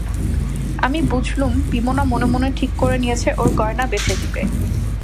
আমি বুঝলুম, বিমলা মনে মনে ঠিক করে নিয়েছে ওর গয়না বেচে দেবে।